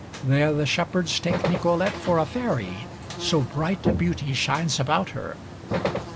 There the shepherds take Nicolete for a fairy, so bright a beauty shines about her.